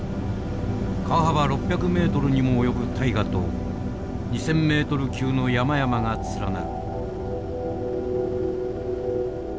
川幅６００メートルにも及ぶ大河と２，０００メートル級の山々が連なる。